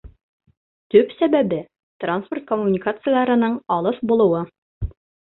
Төп сәбәбе — транспорт коммуникацияларының алыҫ булыуы.